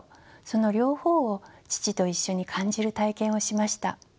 その両方を父と一緒に感じる体験をしました。